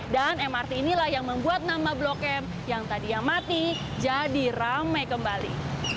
dan mrt inilah yang membuat nama blok m yang tadi yang mati jadi ramai kembali